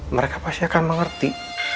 mereka pasti akan mengerti